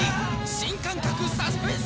新感覚サスペンス